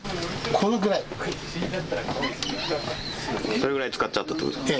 これぐらいつかっちゃったってことですか。